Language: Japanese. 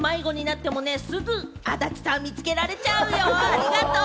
ありがとう！